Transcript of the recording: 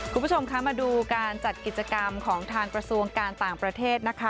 คุณผู้ชมคะมาดูการจัดกิจกรรมของทางกระทรวงการต่างประเทศนะคะ